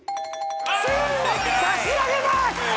旬を差し上げます！